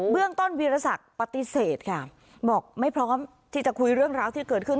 เรื่องต้นวีรศักดิ์ปฏิเสธค่ะบอกไม่พร้อมที่จะคุยเรื่องราวที่เกิดขึ้น